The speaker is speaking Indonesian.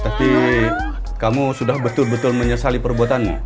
tapi kamu sudah betul betul menyesali perbuatanmu